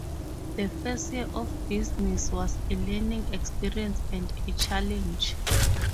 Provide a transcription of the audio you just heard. The first year of business was a learning experience and a challenge.